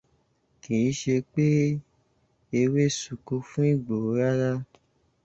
Kìí ṣe pé ewé sunko fún Ìgbòho rárá.